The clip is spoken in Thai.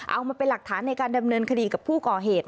เอามาเป็นหลักฐานในการดำเนินคดีกับผู้ก่อเหตุ